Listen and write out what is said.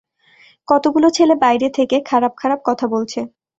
কতগুলো ছেলে বাইরে থেকে, খারাপ খারাপ কথা বলছে।